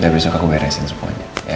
udah besok aku beresin semuanya ya